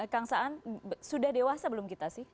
kang saan sudah dewasa belum kita sih